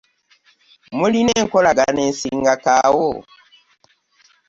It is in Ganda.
Mulina enkolagana esingako awo?